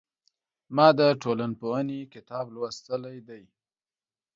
ما د ټولنپوهنې کتاب لوستلی دی.